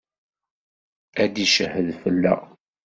Ad d-icehhed fell-aɣ.